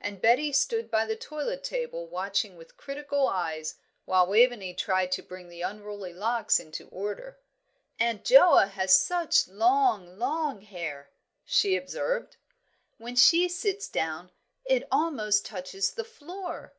and Betty stood by the toilet table watching with critical eyes while Waveney tried to bring the unruly locks into order. "Aunt Joa has such long, long hair," she observed. "When she sits down it almost touches the floor.